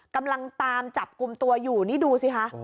กำลังตามจับกลุ่มตัวอยู่นี่ดูสิคะ